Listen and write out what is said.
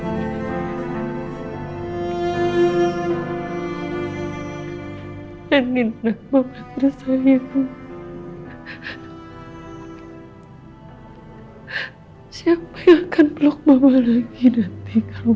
terima kasih tuhan